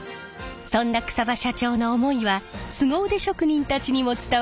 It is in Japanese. そんな草場社長の思いはスゴ腕職人たちにも伝わりました。